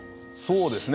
そうですね。